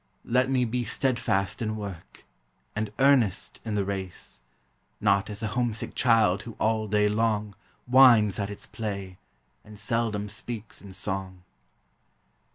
Let me be Steadfast in work, and earnest in the race, Not as a homesick child who all day long Whines at its play, and seldom speaks in song.